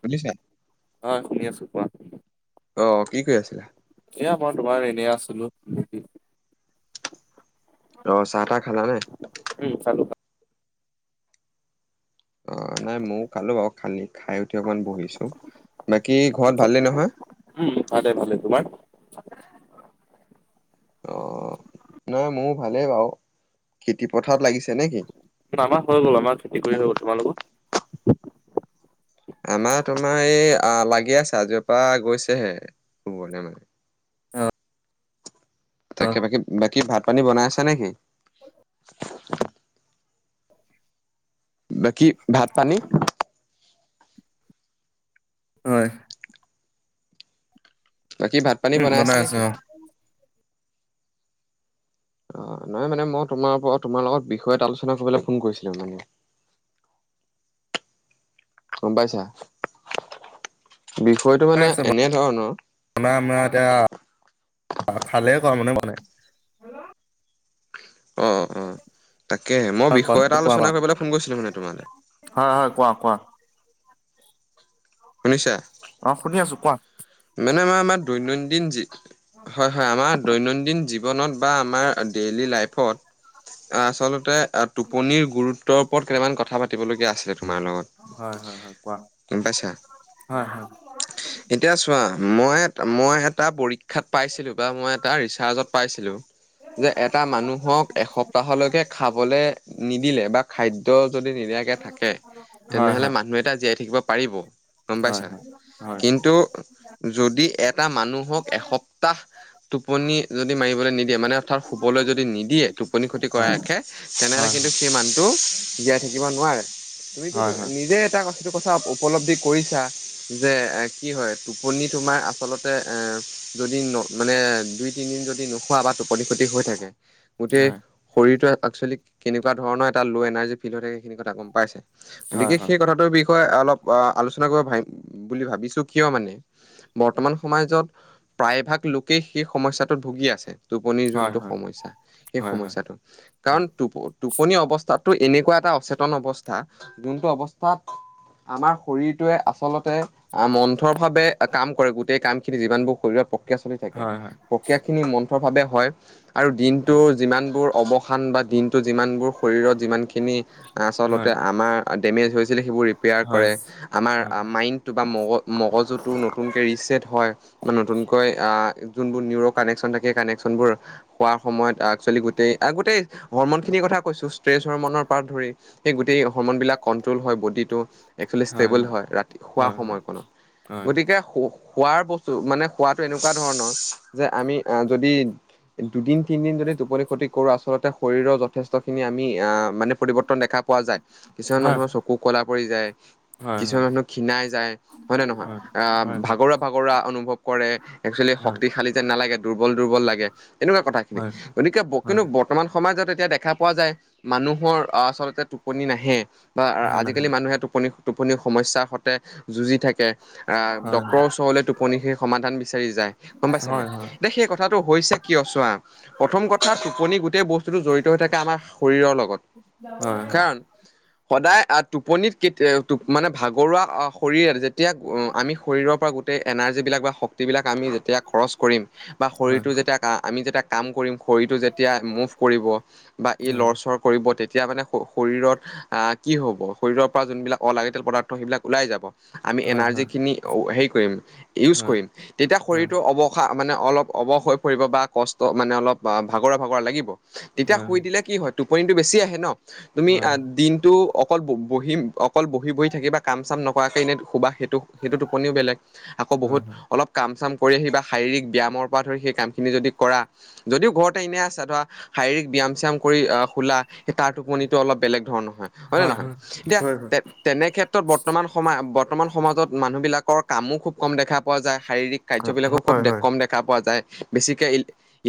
শুনিিছা [unintelligible] হয় শুনি আছো কোৱা অ', কি কৰি আছিলা? এয়া মই তোমাৰ এনেই আছিলো ডিউতি। অ', চাহ তাহ খালা নে? উম, খালোঁ। অ নাই ময়ও কালো বাৰু খালী খাই উঠি অকমান বহিছো। বাকী ঘৰত ভালেই নহয়? ভালে ভালে তোমাৰ [unintelligible] অ নহয় মোৰ ভালেই বাৰু, খেতি পথাৰত লাগিছে নে কি? আমাৰ হৈ গ'ল আমাৰ খেতি কৰি হৈ গ'ল তোমালোকৰ আমাৰ তোমাৰ এই লাগি আছে আজিৰ পৰা গৈছেহে ৰুবলৈ মানে অ অ, তাকে বাকী বাকী ভাত পানী বনাই আছ নেকি বাকী ভাত পানী হয় বাকী ভাত পানী উম বনাই আছে আছো নেকি অ অ নহয় মানে মই তোমাৰ পৰা তোমাৰ লগত বিষয় এটা আলোচনা কৰিবলৈ ফোন কৰিছিলো মানে গম পাইছা বিষয়টো মানে এনে ধৰণৰ বানা আ এতিয়া খালে কৰা মানে মানে অ অ তাকে মই হয় কোৱা বিষয় কোৱা এটা কোৱা আলোচনা কৰিবলৈ ফোন কৰিছিলো মানে তোমালৈ হয় হয় কোৱা কোৱা শুনিছা অ শুনি আছো কোৱা মানে আমাৰ আমাৰ দৈনন্দিন যি অ হয় হয় আমাৰ দৈনন্দিন জীৱনত বা আমাৰ ডেইলী লাইফত আচলতে টোপনিৰ গুৰুত্বৰ ওপৰত কেইটামান কথা পাতিবলগীয়া আছিলে তোমাৰ লগত হয় হয় হয় কোৱা গম পাইছা হয় এতিয়া চোৱা মই মই এটা পৰীক্ষাত পাইছিলোঁ বা মই এটা ৰিচাৰ্জত পাইছিলোঁ যে এটা মানুহক এসপ্তাহলৈকে খাবলৈ নিদিলে বা খাদ্য যদি নিদিয়াকে থাকে হয় তেনেহলে হয় মানুহ এটা জীয়াই থাকিব পাৰিব গম হয় পাইছা হয় কিন্তু যদি এটা মানুহক এসপ্তাহ টোপনি যদি মাৰিবলৈ নিদিয়ে মানে পথত শুবলৈ যদি নিদিয়ে টোপনি ক্ষতি কৰা হয় আশে তেনেহলে হয় কিন্তু সেই মানুহটো জীয়াই থাকিব নোৱাৰে তুমিতো হয় হয় নিজে এটা কথা সেইটো কথা উপলব্ধি কৰিছা যে এ কি হয় টোপনি তোমাৰ আচলতে এ যদি ন মানে দুই তিনিদিন যদি নোখোৱা বা টোপনি খতি হৈ থাকে গোটেই শৰীৰটো এক্চুৱেলি কেনেকুৱা ধৰণৰ এটা ল' এনাৰ্জি ফিল হৈ থে সেইখিনি কথা গম পাইছে হয় হয় হয় গতিকে সেই কথাটোৰ বিষয়ে অলপ আলোচনা কৰিব ভাইম বুলি ভাবিছো কিয় মানে বৰ্তমান সমাজত প্ৰায়ভাগ লোকেই সেই সমস্যাটো ভুগি আছে টোপনিৰ হয় হয় যোনটো সমস্যা সেই হয় সমস্যাটো কাৰণ টো টোপনি অৱস্থাতো এনেকুৱা এটা অচেতন অৱস্থা যোনটো অৱস্থাত আমাৰ শৰীৰটোৱে আচলতে মন্থৰভাৱে কাম কৰে গোটেই কাম খিনি যিমানবোৰ শৰীৰত প্ৰক্ৰিয়া চলি থাকে হয় হয় হয় হয় প্ৰক্ৰিয়া খিনি মন্থৰ ভাৱে হয় আৰু হয় হয় হয় হয় হয় হয় দিনটোৰ যিমানবোৰ অৱসান বা দিনটো যিমানবোৰ শৰীৰত যিমানখিনি আচলতে আমাৰ দেমেজ হৈ সেইবোৰ ৰিপেয়াৰ কৰে আমাৰ বা মগ মগজুতটো নতু নতুনকে ৰিচেট হয় বা নতুনকৈ আহ যোনোৰ নিউৰ কানেকচন থাকে কানেকচনবোৰ খোৱাৰ সময়ত আ ছোৱালী গোটেই গোটেই হৰমন খিনিৰ কথা কৈছো ষ্ট্ৰেছ হৰৰ্মনৰ পৰা ধৰি সেই গোটেই হৰৰ্মনবিলাক কণ্ট্ৰল হয় বডিটো একছোৱেলি ষ্টেবল হয় ৰাতি শোৱা হয় হয় সময়কণত হয় গতিকে খোৱাৰ বস্তু মানে খোৱাটো এনেকুৱা ধৰণৰ যে আমি যদি দুদিন তিনিদিন যদি টোপনি ক্ষতি কৰোঁ আচলতে শৰীৰৰ যথেষ্টখিনি আমি মানে পৰিৱৰ্তন দেখা পোৱা যায় কিছুমান মানুহৰ চকু কলা পৰি যায়। [inaudible] কিছুমান মানুহ ক্ষীণাই যায় হয় নে নহয়? আহ [unintelligible] ভাগৰুৱা-ভাগৰুৱা অনুভৱ কৰে একচুৱেলি শক্তিশালী যেন নালাগে দুৰ্বল-দুৰ্বল লাগে। [inaudible] এনেকুৱা কথাখিনি গতিকে [unintelligible] কেনো [inaudible] বৰ্তমান সমাজত এতিয়া দেখা পোৱা যায় মানুহৰ আচলতে [unintelligible] টোপনি নাহে বা আজিকালি মানুহে টোপনি টোপনি সমস্যাৰ সৈতে যুঁজি থাকে। [unintelligible] আহ ডক্টৰৰ ওচৰলৈ টোপনি সেই সমাধান বিচাৰি যায় গম পাইছা নাই? [unintelligible] দে সেই কথাটো হৈছে কিয় চোৱা? [unintelligible] প্ৰথম কথা টোপনি গোটেই বস্তুটো জড়িত হৈ থাকে আমাৰ শৰীৰৰ লগত। [inaudible] কাৰণ [unintelligible] সদায় টোপনিত [unintelligible] কেতিয়া মানে ভাগৰুৱা শৰীৰ যেতিয়া আমি শৰীৰক গোটেই এনাৰ্জিবিলাক বা শক্তিবিলাক আমি যেতিয়া খৰচ কৰিম বা শৰীৰটো যেতিয়া আমি যেতিয়া [inaudible] কাম কৰিম শৰীৰটো যেতিয়া মুভ কৰিব বা ই লৰচৰ [unintelligible] কৰিব তেতিয়া মানে শৰীৰত [unintelligible] আহ কি হব শৰীৰৰ পৰা যোনবিলাক অলাগতিয়াল পদাৰ্থ সেইবিলাক ওলাই যাব। [inaudible] আমি এনাৰ্জিখিনি হেৰি কৰিম ইউজ কৰিম তেতিয়া শৰীৰটোৰ অৱ [unintelligible] উসাহ মানে অলপ অৱস হৈ পৰিব বা কষ্ট মানে অলপ ভাগৰুৱা-ভাগৰুৱা লাগিব [unintelligible] তেতিয়া শুই দিলে কি হয় টোপনিটো বেছি আহে ন তুমি দিনটো [inaudible] অকল ব বহি অকল বহি-বহি থাকিবা কাম-চাম নকৰাকৈ এনেই শুবা সেইটো-সেইটো টোপনিও বেলেগ। [unintelligible] আকৌ বহুত অলপ কাম-চাম কৰি আহিবা শাৰীৰিক ব্যায়ামৰ পৰা ধৰি সেই কামখিনি যদি কৰা। [unintelligible] যদিও ঘৰতে এনেই আছা ধৰা শাৰীৰিক ব্যায়াম-চ্যায়াম কৰি শুলা। [unintelligible] সেই তাৰ টোপনিটো অলপ বেলেগ ধৰণৰ হয়। হয় নে নহয়? এতিয়া [unintelligible] তেনেক্ষেত্ৰত বৰ্তমান সমাজ বৰ্তমান সমাজত মানুহবিলাকৰ কামো খুব কম দেখা পোৱা যায় শাৰীৰিক। [inaudible] কাৰ্যবিলাকো খুব কম দেখা পোৱা যায় বেছিকে ই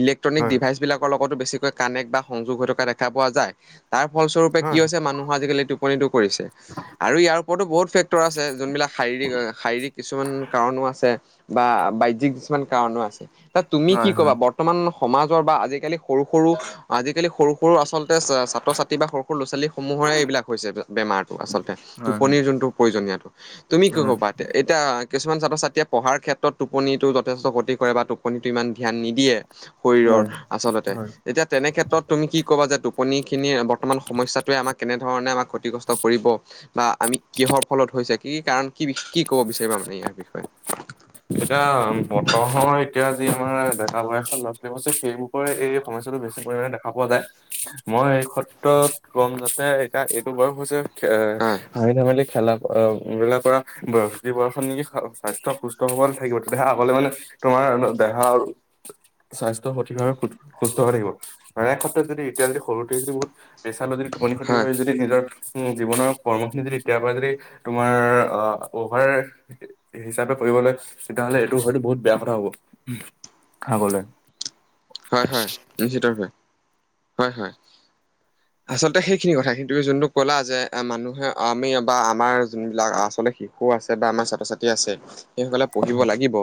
ইলেক্ট্ৰনিক ডিভাইচবিলাক [unintelligible] লগতো বেছিকৈ কানেক্ট বা সংযোগ হৈ থকা দেখা পোৱা যায়। [inaudible] তাৰ ফলস্বৰূপে কি হৈছে মানুহৰ আজিকালি টোপনিটো কৰিছে। [unintelligible] আৰু ইয়াৰ ওপৰতো বহুত ফেক্টৰ আছে যোনবিলাক শাৰীৰিক-শাৰীৰিক [inaudible] কিছুমান কাৰণো আছে বা বাহ্যিক কিছুমান কাৰণো আছে ত তুমি কি কবা [unintelligible] বৰ্তমান সমাজৰ বা আজিকালি সৰু-সৰু আজিকালি সৰু-সৰু আচলতে ছাত্ৰ-ছাত্ৰী বা [unintelligible] সৰু-সৰু ল'ৰা-ছোৱালীসমূহৰে এইবিলাক হৈছে বেমাৰটো আচলতে টোপনিৰ যোনটো প্ৰয়োজনীয়টো। [unintelligible] তুমি কি ক'বা এইয়াতে? [unintelligible] এতিয়া কিছুমান ছাত্ৰ-ছাত্ৰীয়ে পঢ়াৰ ক্ষেত্ৰত টোপনিটো যথেষ্ট খতি কৰে বা টোপনিটো ইমান ধ্যান নিদিয়ে। [unintelligible] শৰীৰৰ আচলতে তেতিয়া তেনে ক্ষেত্ৰত তুমি কি ক'বা যে [unintelligible] টোপনিখিনিৰ বৰ্তমান সমস্যাটোৱে আমাক কেনেধৰণে আমাক ক্ষতিগ্ৰস্ত কৰিব। [unintelligible] বা আমি কিহৰ ফলত হৈছে কি-কি কাৰণ কি-কি ক'ব বিচাৰিবা মানে ইয়াৰ বিষয়ে? [unintelligible] এতিয়া বতহৰ এতিয়া যি আমাৰ ডেকা বয়সৰ ল'ৰা-ছোৱালীবোৰ আছে সেইবোৰ [inaudible] এই সমস্যাটো বেছি পৰিমাণে দেখা পোৱা যায়। মই এই ক্ষেত্ৰত কম যাতে [inaudible] এ এইটো বয়স হৈছে [unintelligible] [unintelligible] এ হয় হাঁহি-ধেমালি খেলা [unintelligible] ধূলা কৰা বয়স এই বয়সত নেকি স্বাস্থ্য সুস্থ সবল থাকিব তেতিয়াহে আগলৈ মানে তোমাৰ দেহা আৰু [unintelligible] স্বাস্থ্য সঠিকভাৱে সুস্থ হৈ থাকিব আৰু ক্ষেত্ৰত যদি এতিয়া যদি সৰুতে যদি বহুত পেচা ল যদি [unintelligible] টোপনি ক্ষতি হয় হৈ যদি নিজৰ উম জীৱনৰ কৰ্মখিনি যদি এতিয়াৰ পৰাই যদি [unintelligible] তোমাৰ অ অ'ভাৰ হিচাপত [inaudible] কৰিবলৈ, তেতিয়াহ'লে এইটো হয়তো বহুত বেয়া কথা হ'ব আগলৈ। [unintelligible] হয়-হয়, নিশ্চিতাৱে হয়-হয়। [unintelligible] আচলতে সেইখিনি কথা, কিন্তু যোনটো ক'লা যে, মানুহে আমি বা আমাৰ যোনবিলাক আচলতে শিশু আছে বা আমাৰ ছাত্ৰ-ছাত্ৰী আছে। সেই সকলে পঢ়িব হয় লাগিব,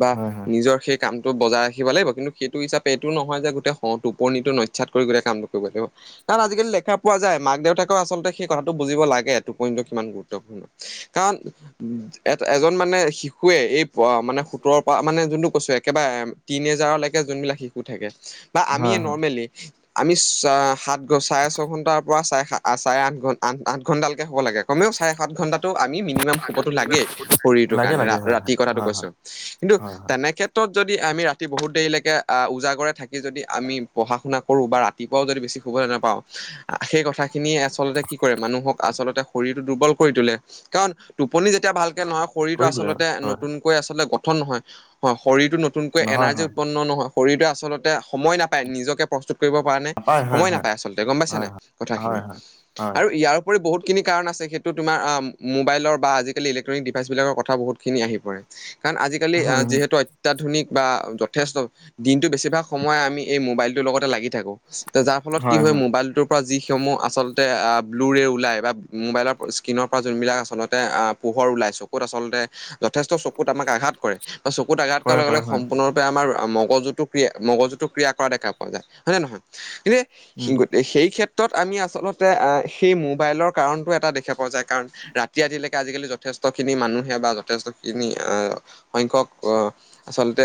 বা হয় হয় নিজৰ সেই কামটো বজাই ৰাখিব লাগিব, কিন্তু সেইটো হিচাপে এইটো নহয় যে, গোটেই টোপনিটো নস্যাৎ কৰি গোটেই কামটো কৰিব লাগিব। কাৰণ, আজিকালি দেখা পোৱা যায় মাক দেউতাকে আচলতে সেইকথাটো বুজিব লাগে টোপনিটো কিমান গুৰুত্বপূৰ্ণ। কাৰণ এ এজন মানে শিশুৱে এই মানে সোতৰৰ পৰা মানে যোনটো কৈছো একেবাৰে তিনি এজাৰলৈকে যোনবিলাক শিশু থাকে বা আমিয়ে হয় হয় নৰ্মেলি আমি চ সাত ঘ চাৰে ছঘণ্টাৰ পৰা চাৰে-চাৰে আঠ ঘ আঠ-আঠ ঘণ্টালৈকে শুব লাগে কমেও চাৰে সাত ঘণ্টাটো আমি মিনিমাম শুবতো লাগে। শৰীৰটোৰ লাগে কাৰণে লাগে হয় হয় ৰাতিৰ কথাটো হয় হয় কৈছো, হয় কিন্তু হয় তেনে ক্ষেত্ৰত যদি আমি ৰাতি বহুত দেৰিলৈকে উজাগৰে থাকি যদি আমি পঢ়া-শুনা কৰো, বা ৰাতিপুৱাও যদি বেছি শুবলৈ নাপাওঁ। সেই কথাখিনিয় আচলতে কি কৰে মানুহক আচলতে শৰীৰটো দুৰ্বল কৰি তোলে। কাৰণ, টোপনি যেতিয়া ভালকে নহয় শৰীৰটো কৰি দিলে আচলতে হয় নতুন কৈ আছলতে গঠন নহয়, শৰীৰটো নতুন কৈ নহয় এনাৰ্জি হয় উৎপন্ন নহয়। হয়, শৰীৰটোৱে আচলতে সময় নাপায় নিজকে প্ৰস্তুত কৰিব কাৰনে। নাপায় হয় সময় হয় নাপায় আচলতে গ'ম পাইছ নে হয় নাই কথাখিনি? হয় হয় আৰু ইয়াৰ উপৰি বহুতখিনি কাৰণ, আছে সেইটোতুমাৰ মোবাইলৰ বা আজালি ইলেক্ট্ৰনিক ডিভাইচবিলাকৰ কথা বহুতখিনি আহি পৰে। কাৰণ, আজিকালি হয় আহ হয় যিহেতু অত্যাধুনিক বা যথেষ্ট দিনটো বেছিভাগ সময় আমি এই মোবাইলটোৰ লগতে লাগি থাকোঁ তো যাৰ ফলত কি হয়, মোবাইলটোৰ পৰা যিসমূহ আচলতে ব্লু ৰে ওলাই বা মোবাইলৰ স্কিনৰ পৰা যোনবিলাক আচলতে পোহৰ ওলাই চকুত আচলতে যথেষ্ট চকুত আমাক আঘাত কৰে বা চকুত আঘাত কৰাৰ কৰে লগে কৰে লগে হয় সম্পূৰ্ণৰূপে আমাৰ মগজুত টো মগজুতটো ক্ৰিয়া কৰা দেখা পোৱা যায় হয় নে নহয়? উম কিন্তু এই সেই ক্ষেত্ৰ ত আমি আচলতে সেই মোবাইলৰ কাৰণটো এটা দেখা পোৱা যায়, কাৰণ ৰাতি ৰাতিলৈকে আজিকালি যথেষ্ট খিনি মানুহে বা যথেষ্ট খিনি আহ সংখ্যক আহ আচলতে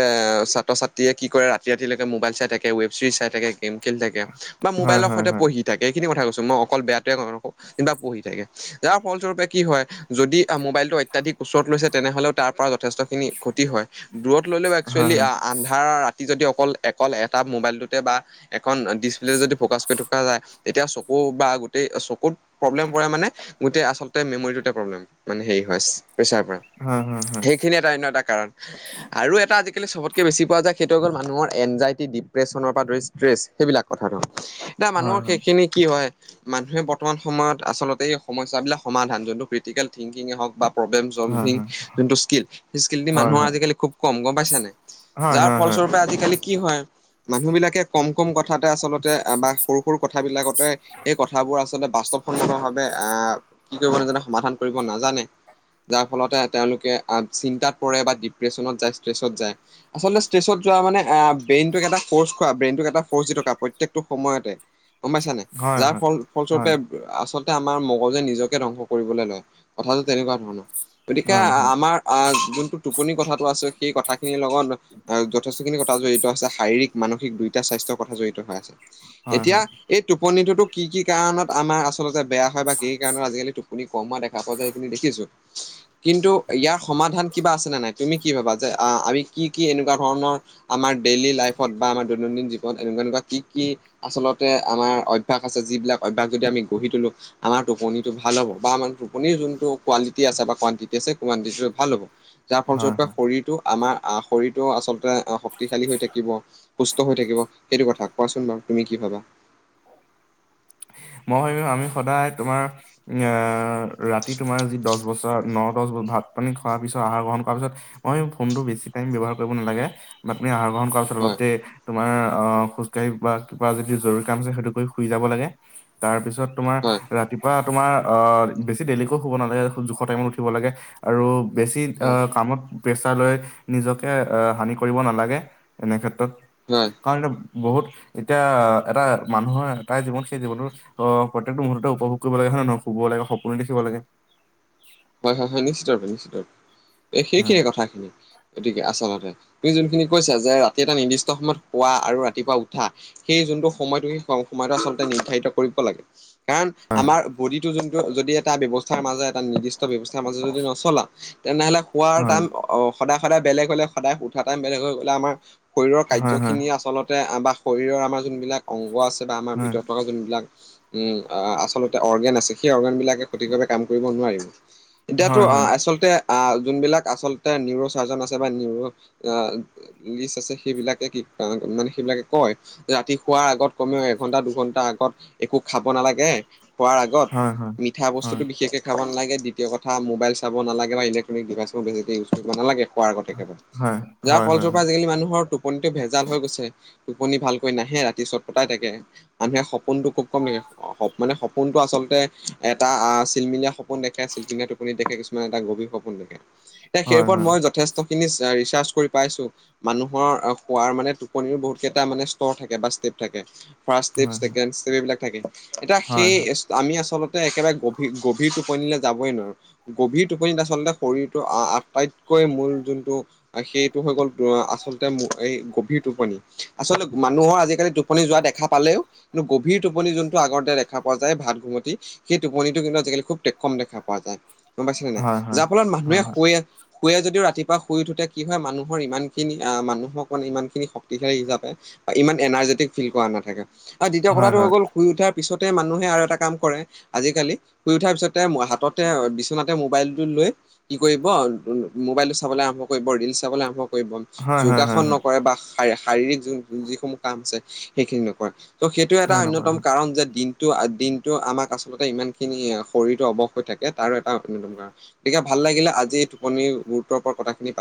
ছাত্ৰ-ছাত্ৰীয়ে কি কৰে ৰাতি ৰাতিলৈকে মোবাইল চাই থাকে ৱেব ছিৰিজ চাই থাকে গেম খেল থাকে বা হয় মোবাইলৰ হয় সৈতে হয় পঢ়ি থাকে এইখিনি কথা কৈছো মই অকল বেয়াটোৱো পঢ়ি থাকে যাৰ ফলস্বৰূপে কি হয় যদি মোবাইলটো অত্যাধিক ওচৰত লৈছে তেনেহ'লে তাৰ পৰা যথেষ্ট খিনি ক্ষতি হয়, দূৰত লৈলেও হয় একচুৱেলী আন্ধাৰ ৰাতি যদি অকল অকল এটা মোবাইলটোতে বা এখন ডিচপ্লে যদি ফ'কাচ কৰি থকা যায়। তেতিয়া চকু বা গোটেই চকুত প্ৰব্লেম পৰে মানে গোটেই আচলতে মেমৰীটো প্ৰব্লেম মানে হেৰি হয়, প্ৰেছাৰ পৰে। হম, হু, হু। এটা অন্য এটা কাৰণ, আৰু এটা আজিকালি চবতকে বেছি পোৱা যায়। সেইটো হৈ গ'ল মানুহৰ এনজাইটি ডিপ্ৰে্চনৰ পৰা ধৰি ষ্ট্ৰেছ সেইবিলাক কথাটো। এতিয়া হয় মানুহৰ হয় সেইখিনি কি হয় মানুহে বৰ্তমান সময়ত আচলতে সমস্যাবিলাক সমাধান যোনটো ক্ৰিটিকেল থিংকিঙে হওঁক বা প্ৰব্লেম হয় চলভিং যোনটো স্কিল সেই স্কিলটো হয় মানুহৰ আজিকালি খুব কম গ'ম পাইছা নাই? হয়, যাৰ হয়, হয়। ফলস্বৰূপে আজিকালি কি হয়, মানুহ বিলাকে কম কম কথাতে আচলতে বা সৰু সৰু কথাবিলাকতে সেই কথাবোৰ আচলতে বাস্তৱসনমত ভাৱে আহ কি কৰিব নাজানে সমাধান কৰিব নাজানে। যাৰ ফলতে তেওঁলোকে আহ চিন্তাত পৰে বা ডিপ্ৰেশচনত যায় ষ্ট্ৰেছত যায়, আচলতে ষ্টেচত যোৱা মানে ব্ৰেইনটোক এটা ফৰ্চ খোৱা ব্ৰেইনটোক এটা ফ'ৰ্চ দি থকা প্ৰত্যেকটো সময়তে গম পাইছা নাই হয় যাৰ হয় ফল ফলস্বৰূপে আচলতে আমাৰ মগজে নিজকে ধ্বংস কৰিবলে লয় কথাটো তেনেকুৱা ধৰণৰ গতিকে হয় হয় হয় আমাৰ আহ যোনটো টোপনি কথাটো আছে সেই কথাখিনিৰ লগত যথেষ্টখিনি কথা জড়িত আছে শাৰীৰিক মানসিক দুইটা স্বাস্থ্যৰ কথা জড়িত হৈ আছে হয় হয় হয় হয় এতিয়া হয় এই টোপনিটো টো কি কি কাৰণত আমাৰ আচ আচলতে বেয়া হয় বা কি কাৰণত আজিকালি টোপনি কম হোৱা দেখা পোৱা যায় সেইখিনি দেখিছোঁ কিন্তু ইয়াৰ সমাধান কিবা আছে নে নাই তুমি কি ভাবা যে আমি কি কি এনেকুৱা ধৰণৰ আমাৰ ডেইলি লাইফত বা আমাৰ দৈনন্দিন জী বন এনেকুৱা এনেকুৱা কি কি আচলতে আমাৰ অভ্যাস আছে যিবিলাক অভ্যাস যদি আমি গঢ়ি তোলো আমাৰ টোপনিটো ভাল হ'ব বা আমাৰ টোপনিৰ যোনটো কোৱালিটি আছে বা কানটিটি আছে কানটিটিটো ভাল হ'ব যাৰ হয় ফলস্বৰূপে শৰীৰটো আমাৰ শৰীৰটো আচলতে শক্তিশালী হৈ থাকিব সুস্থ হৈ থাকিব সেইটো কথা কোৱাচোন বাৰু তুমি কি ভাবা মই আমি সদায় তোমাৰ আহ ৰাতি তোমাৰ যি দহ বছা ন দহ বচ ভাত পানী খোৱাৰ পিছত আহাৰ গ্ৰহণ কৰাৰ পিছত অ এই ফোনটো বেছি টাইম ব্যৱহাৰ কৰিব নালাগে বা তুমি আহাৰ গ্ৰহণ কৰাৰ পাছত হয় অলতে তোমাৰ আহ খোজকাঢ়ি বা কিবা যদি জৰুৰী কাম আছে সেইটো কৰি শুই যাব লাগে তাৰ পিছত তোমাৰ হয় ৰাতিপুৱা তোমাৰ অ বেছি ডেইলেকৈ শুব নালাগে জোখ টাইমত উঠিব লাগে আৰু বেছি হয় কামত প্ৰেছাৰ লৈ নিজকে আহ হানি কৰিব নালাগে এনে ক্ষেত্ৰত হয় কাৰণ বহুত এতিয়া এটা মানুহৰ এটাই জীৱন সেই জীৱনত অ প্ৰত্যেকটো মুহূৰ্ততে উপভোগ কৰিব লাগে হয় নহয় শুব লাগে সপোনো দেখিব লাগে হয় হয় হয় নিশ্চিত ৰূপে নিশ্চিত ৰূপে এই হয়, সেইখিনিয়ে কথাখিনি গতিকে আচলতে তুমি যোনখিনি কৈছা যে ৰাতি এটা নিৰ্দিষ্ট সময়ত শুৱোৱা আৰু ৰাতিপুৱা উঠা সেই যোনটো সময়টো সেই সময়টো আচলতে নিৰ্ধাৰিত কৰিব লাগে কাৰণ আমাৰ বডিটো যোনটো যদি এটা ব্যৱস্থাৰ মাজে এটা নিৰ্দি ষ্ট ব্যৱস্থাৰ মাজত যদি নচলা তেনেহলে শুৱাৰ হয়, অ সদায় সদায় বেলেগ হলে সদায় উঠা টাইম বেলেগ হৈ গ'লে আমাৰ শৰীৰৰ হয়, হয়, কাৰ্যখিনিয়ে আচলতে বা শৰীৰৰ আমাৰ যোনবিলাক অংগ আছে বা আমাৰ ভিতৰত থকা যোনবিলাক আচলতে অৰ্গেন আছে সেই অৰ্গেন বিলাকে সঠিকভাৱে কাম কৰিব নোৱাৰিব এতিয়াতো হয়, হয়, হয়, আচলতে আহ যোনবিলাক আচলতে নিউৰো চাৰ্জন আছে বা নিউৰো আহ লিষ্ট আছে সেইবিলাকে কি মানে সেইবিলাকে কয় ৰাতি শুৱাৰ আগত কমেও এঘন্টা দুঘন্টা আগত একো খাব নালাগে শুৱাৰ আগত হয়, হয়। মিঠা হয়, বস্তুতো বিশেষকে খাব নালাগে দ্বি তীয় কথা মোবাইল চাবা নালাগে বা ইলেকট্ৰনিক ডিভাইচ সমূহ বেছিকৈ ইউজ কৰিবা নালাগে শুৱাৰ আগত একেবাৰে হয়, যাৰ হয়, হয়, ফলস্বৰূপে আজিকালি মানুহৰ টোপ টোপনিটো ভেজাল হৈ গৈছে টোপনি ভালকৈ নাহে ৰাতি চত পটাই থাকে মানুহে সপোনতো খুব কম দেখে সপো মানে সপোনতো আচলতে এটা চিলমিলীয়া সপোন দে খে চিলচিলিয়া টোপনি দেখে কিছু এটা গভীৰ সপোন দেখে এতিয়া সেই হয়, ওপৰত হয়, মই যথেষ্ট খিনি ৰিচাৰ্চ কৰি পাইছো মানুহৰ শুৱাৰ মানে টোপনিও বহুত কেইটা মানে স্তৰ থাকে বা ষ্টেপ থাকে ফাৰ্ষ ষ্টেপ হয়, ছেকেড ষ্টেপ এইবিলাক থাকে এতিয়া হয়, সেই হয়, হয়, আমি আচলতে একেবাৰে গভীৰ গভীৰ টোপনিলে যাবই নোৱাৰো গভীৰ টোপনিত আচলতে শৰীৰটো আটাইতকৈ মূল যোনটো সেইটো হৈ গ'ল আচলতে মূ্ এই গভীৰ টোপনি, আচলতে মানুহৰ আজিকালি টোপ পুনি যোৱা দেখা পালেও কিন্তু গভীৰ টোপনি যোনটো আগৰ দৰে দেখা পোৱা যায় ভাত ঘুমটি সেইটোনিটো কিন্তু আজিকালি খুবটেকম দেখা পোৱা যায় গম পাইছেনে নাই, হয়, হয়, যাৰ ফলত হয়, মানুহে শুৱে শুৱে যদিও ৰাতিপুৱা শুই উঠোতে কি হয় মানুহৰ ইমানখিনি আ, মানুহক ইমানখিনি শক্তিশালী হিচাপে বা ইমান এনাৰ্জেটিক ফিল কৰা নাথাকে আৰু দ্বিতীয় হয়, হয়, কথাটো হৈ হয়, গ'ল শুই উঠাৰ পিছতে মানুহে আৰু এটা কাম কৰে আজিকালি, শুই উঠাৰ পিছত তে হাততে বিচনাতে মোবাইলটো লৈ কি কৰিব মোবাইলটো চাবলৈ আৰম্ভ কৰিব, ৰিল চাবলৈ আৰম্ভ কৰিব। হয়, হয়, যোগাসন হয়, নকৰে বা শা-শাৰীৰিক যিসমূহ কাম আছে সেইখিনি নকৰে। ত' সেইটোৱে এটা হয় নকৰে হয়। অন্যতম কাৰণ যে দিনটো দিনটো আমাক আচলতে ইমানখিনি শৰীৰটো অৱস হৈ থাকে তাৰো এটা অন্যতম কাৰণ। তিকে ভাল লাগিলে আজি এই টোপনি গুৰুত্বৰ ওপৰত কথাখিনি পাত